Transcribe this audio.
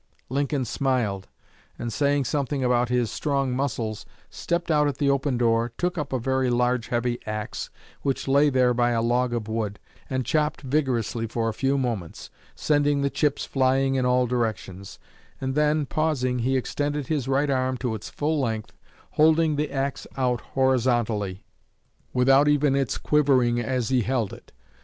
Lincoln smiled, and saying something about his "strong muscles," stepped out at the open door, took up a very large heavy axe which lay there by a log of wood, and chopped vigorously for a few moments, sending the chips flying in all directions; and then, pausing, he extended his right arm to its full length, holding the axe out horizontally, without its even quivering as he held it.